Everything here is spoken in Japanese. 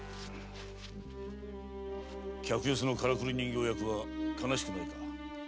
客寄せのカラクリ人形役は悲しくないか？